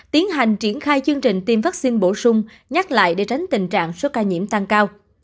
tiến hành triển khai chương trình tiêm vaccine bổ sung nhắc lại để tránh tình trạng số ca nhiễm tăng cao